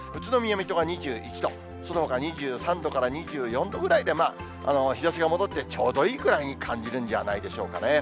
水戸が２１度、そのほか２３度から２４度ぐらいで、まあ日ざしが戻って、ちょうどいいくらいに感じるんじゃないでしょうかね。